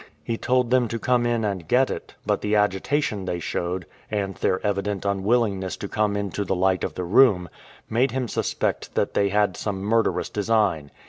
He told them to come in and get it, but the agitation they showed, and their evident unwillingness to come into the light of the room, made him suspect that they had some murderous design.